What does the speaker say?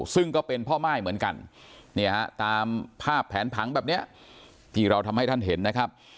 ซึ่งก็เป็นพ่อม่ายเหมือนกันเนี่ยฮะตามภาพแผนผังแบบนี้ที่เราทำให้ท่านเห็นนะครับ